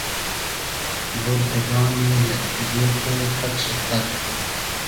بود دۂ دانی یئگ دیگې خو پئگ شی تئر